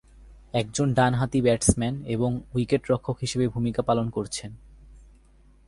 একজন ডান-হাতি ব্যাটসম্যান এবং উইকেটরক্ষক হিসেবে ভূমিকা পালন করছেন।